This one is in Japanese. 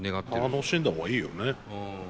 楽しんだ方がいいよね。